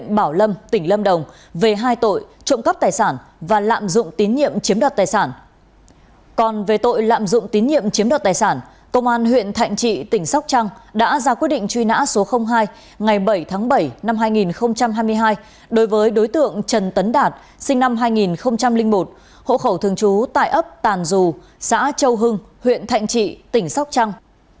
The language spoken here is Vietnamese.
còn về tội lạm dụng tín nhiệm chiếm đoạt tài sản công an huyện thạnh trị tỉnh sóc trăng đã ra quyết định truy nã số hai ngày bảy tháng bảy năm hai nghìn hai mươi hai đối với đối tượng trần tấn đạt sinh năm hai nghìn một hộ khẩu thường trú tài ấp tàn dù xã châu hưng huyện thạnh trị tỉnh sóc trăng